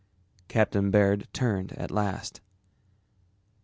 Captain Baird turned at last.